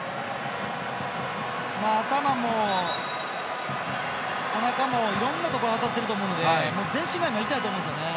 頭もおなかもいろんなところ当たってると思うので全身が痛いと思うんですよね。